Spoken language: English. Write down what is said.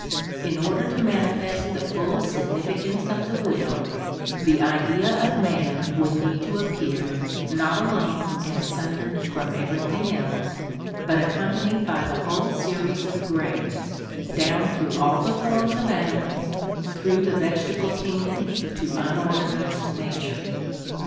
In order to manifest the full significance of the will, the Idea of man would need to appear, not alone and sundered from everything else, but accompanied by the whole series of grades, down through all the forms of animals, through the vegetable kingdom to unorganised nature.